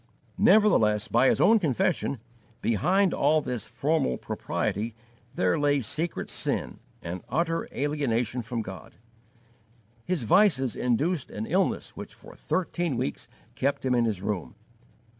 Nevertheless, by his own confession, behind all this formal propriety there lay secret sin and utter alienation from God. His vices induced an illness which for thirteen weeks kept him in his room.